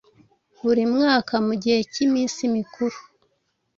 Buri mwaka, mu gihe cy’iminsi mikuru,